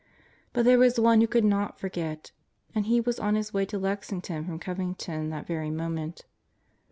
But there was one who could not forget, and he was on his way to Lexington from Covington that very moment.